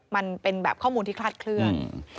มันเป็นแบบข้อมูลที่คลาดเคลื่อน